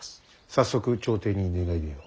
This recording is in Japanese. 早速朝廷に願い出よう。